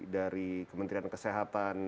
dari kementerian kesehatan